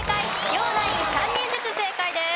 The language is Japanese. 両ナイン３人ずつ正解です。